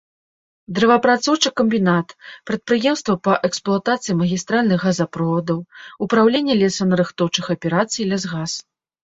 Дрэваапрацоўчы камбінат, прадпрыемства па эксплуатацыі магістральных газаправодаў, упраўленне лесанарыхтоўчых аперацый, лясгас.